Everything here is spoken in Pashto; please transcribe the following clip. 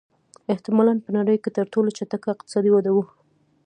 احتمالًا په نړۍ کې تر ټولو چټکه اقتصادي وده وه.